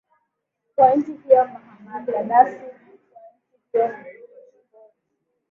wa nchi hiyo mahamar gaddafi wa nchi hiyo mjini tripoli